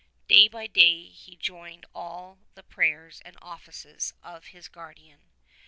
Day by day he joined in all the prayers and offices of his guardian.